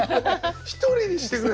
「一人にしてくれ！」